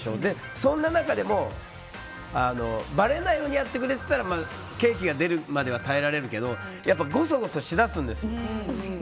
そんな中でもばれないようにやってくれてたらケーキが出るまでは耐えられるけどやっぱりごそごそし出すんですよ。